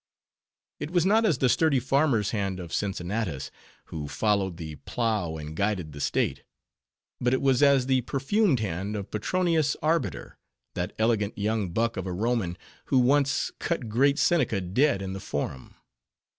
It was not as the sturdy farmer's hand of Cincinnatus, who followed the plough and guided the state; but it was as the perfumed hand of Petronius Arbiter, that elegant young buck of a Roman, who once cut great Seneca dead in the forum.